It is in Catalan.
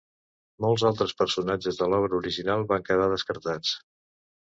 Molts altres personatges de l'obra original van quedar descartats.